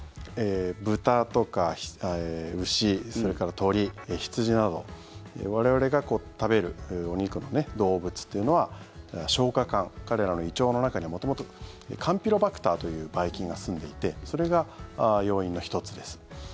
豚とか牛それから鶏、羊など我々が食べるお肉の動物というのは消化管、彼らの胃腸の中には元々、カンピロバクターというばい菌がすんでいてそれが要因の１つです。